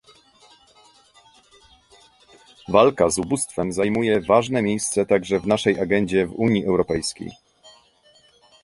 Walka z ubóstwem zajmuje ważne miejsce także w naszej agendzie, w Unii Europejskiej